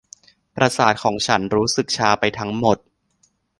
ประสาทของฉันรู้สึกชาไปทั้งหมด